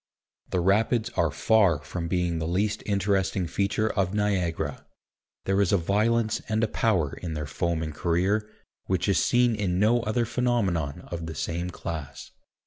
The Rapids are far from being the least interesting feature of Niagara. There is a violence and a power in their foaming career, which is seen in no other phenomenon of the same class.